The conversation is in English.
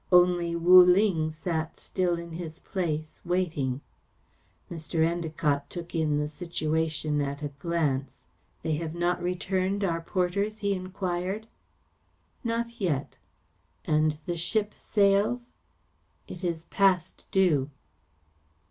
Only Wu Ling sat still in his place, waiting. Mr. Endacott took in the situation at a glance. "They have not returned, our porters?" he enquired. "Not yet." "And the ship sails?" "It is past due."